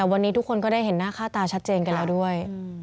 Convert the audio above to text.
วันนี้ทุกคนก็ได้เห็นหน้าค่าตาชัดเจนกันแล้วด้วย